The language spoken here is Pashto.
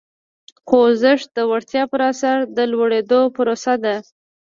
خوځښت د وړتیا پر اساس د لوړېدو پروسه ده.